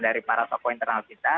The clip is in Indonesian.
dari para tokoh internal kita